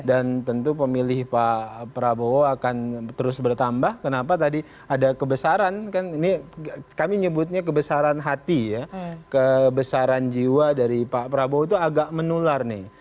dan tentu pemilih pak prabowo akan terus bertambah kenapa tadi ada kebesaran kami sebutnya kebesaran hati ya kebesaran jiwa dari pak prabowo itu agak menular nih